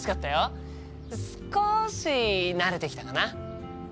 少し慣れてきたかな。